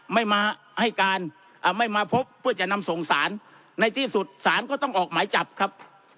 ไม่มาให้การไม่มาพบเพื่อจะนำส่งสารในที่สุดสารก็ต้องออกหมายจับครับ